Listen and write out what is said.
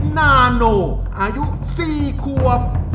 นาโนอายุ๔ควบ